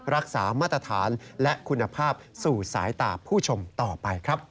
รักษามาตรฐานและคุณภาพสู่สายตาผู้ชมต่อไปครับ